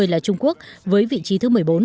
ba mươi là trung quốc với vị trí thứ một mươi bốn